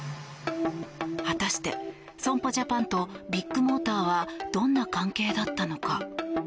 果たして損保ジャパンとビッグモーターはどんな関係だったのか。